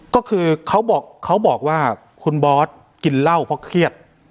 ก็คือเขาบอกว่าคุณบอสกินเหล้าเพราะเครียด